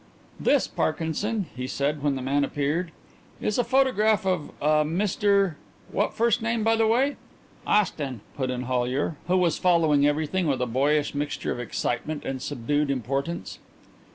"This, Parkinson," he said, when the man appeared, "is a photograph of a Mr What first name, by the way?" "Austin," put in Hollyer, who was following everything with a boyish mixture of excitement and subdued importance.